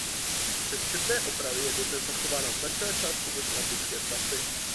Přes četné opravy je dodnes zachována značná část původní antické stavby.